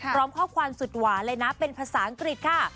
พร้อมข้อความสุดหวานเลยนะเป็นภาษาอังกฤษค่ะ